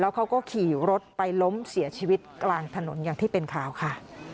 เขาก็ขี่รถไปล้มเสียชีวิตกลางถนนอย่างที่เป็นข่าวค่ะ